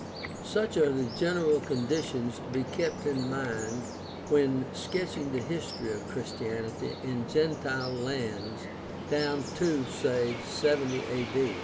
Such are the general conditions to be kept in mind when sketching the history of Christianity in gentile lands down to, say, 70 A.